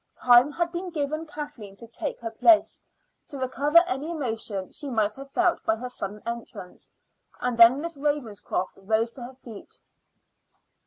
Time had been given Kathleen to take her place, to recover any emotion she might have felt by her sudden entrance, and then Miss Ravenscroft rose to her feet.